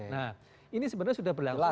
nah ini sebenarnya sudah berlangsung